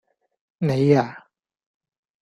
你呀?